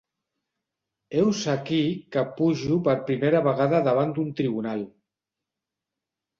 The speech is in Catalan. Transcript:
Heus aquí que pujo per primera vegada davant d'un tribunal.